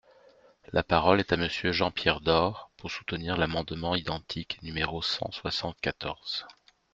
La parole est à Monsieur Jean-Pierre Door, pour soutenir l’amendement identique numéro cent soixante-quatorze.